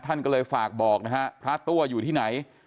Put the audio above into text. ท่านก็เลยฝากบอกนะฮะพระตัวอยู่ที่ไหน